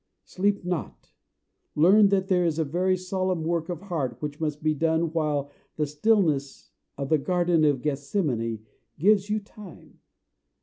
Sleep not; learn that there is a very solemn work of heart which must be done while the stillness of the garden of Gethsemane gives you time.